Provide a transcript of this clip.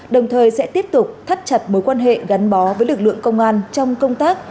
đồng thời sẽ tiếp tục thắt chặt mối quan hệ gắn bó với lực lượng công an trong công tác